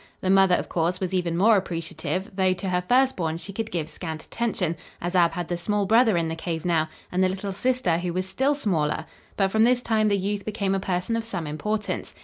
The mother, of course, was even more appreciative, though to her firstborn she could give scant attention, as Ab had the small brother in the cave now and the little sister who was still smaller, but from this time the youth became a person of some importance.